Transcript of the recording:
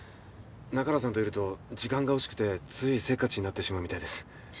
中原さんといると時間が惜しくてついせっかちになってしまうみたいです。